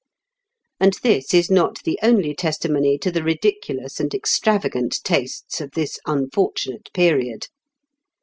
And this is not the only testimony to the ridiculous and extravagant tastes of this unfortunate period.